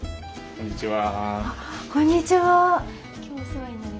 こんにちは。